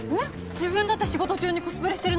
自分だって仕事中にコスプレしてるのに？